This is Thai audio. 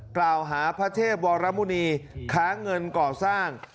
กล่าวหาพระเทพวรมุณีค้าเงินก่อสร้าง